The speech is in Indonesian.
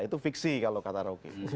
itu fiksi kalau kata rocky